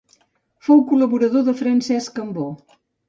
Fou col·laborador de Francesc Cambó.